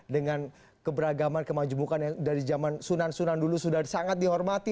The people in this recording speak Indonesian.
dengan keberagaman kemajumukan yang dari zaman sunan sunan dulu sudah sangat dihormati